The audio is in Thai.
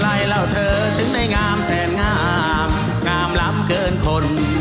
อะไรแล้วเธอถึงได้งามแสนนมงามลำเกินคน